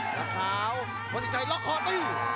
กล้าขาววัดสินใจล็อกคอตู่